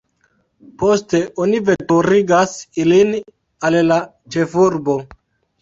Poste oni veturigas ilin al la ĉefurbo.